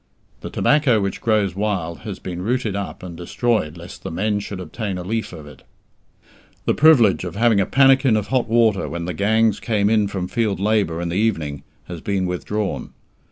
The tobacco which grows wild has been rooted up and destroyed lest the men should obtain a leaf of it. The privilege of having a pannikin of hot water when the gangs came in from field labour in the evening has been withdrawn.